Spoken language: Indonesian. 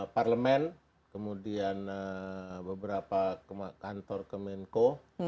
parlemen kemudian beberapa kantor kemenko